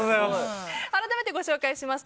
改めてご紹介します。